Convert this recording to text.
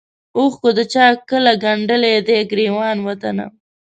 اوښکو د چا کله ګنډلی دی ګرېوان وطنه